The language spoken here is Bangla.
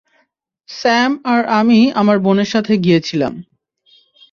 স্যাম আর আমি আমার বোনের সাথে গিয়েছিলাম।